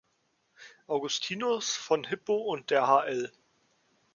Augustinus von Hippo und der hl.